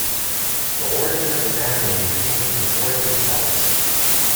The origin of the band name came from the boys themselves.